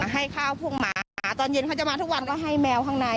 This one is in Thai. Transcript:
ให้ข้าวพวกหมาหาตอนเย็นเขาจะมาทุกวันก็ให้แมวข้างใน